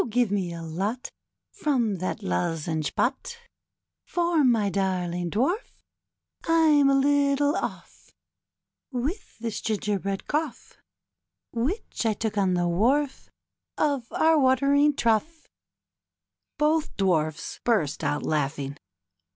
give me a lot From that lozenge pot^ For^ my darling Divarf, Fm a little off With this gingerbread congh Which I took on the wharf Of our watering troughr Both dwarfs burst out laughing.